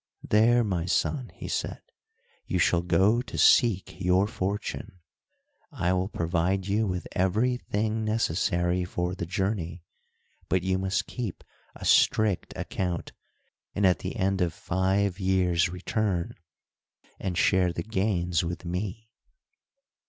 "There, my son," he said, "you shall go to seek your fortune. I will provide you with every thing necessary for the journey, but you must keep a strict account, and at the end of five years return, and share the gains with me."